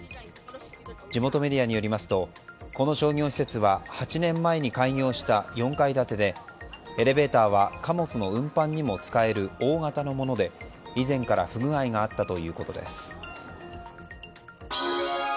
地元メディアによりますとこの商業施設は８年前に開業した４階建てでエレベーターは貨物の運搬にも使える大型のもので、以前から不具合があったということです。